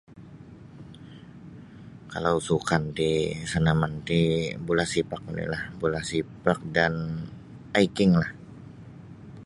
Kalau sukan ti sanaman ti bula sepak onilah bula sepak dan aikinglah.